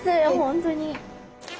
本当に！